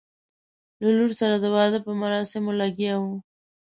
له لور سره د واده په مراسمو لګیا وو.